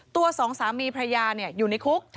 ตัว๒สามีพระยาเนี่ยอยู่ในคุก